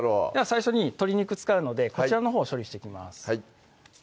最初に鶏肉使うのでこちらのほうを処理していきます